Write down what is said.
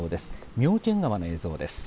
妙見川の映像です。